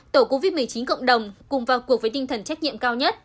tổ covid một mươi chín cộng đồng cùng vào cuộc với tinh thần trách nhiệm cao nhất